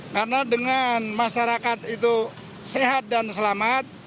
karena dengan masyarakat itu sehat dan selamat